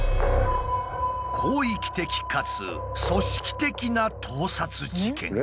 「広域的かつ組織的な盗撮事件」！？